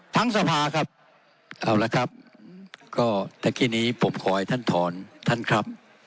สภาครับเอาละครับก็ตะกี้นี้ผมขอให้ท่านถอนท่านครับ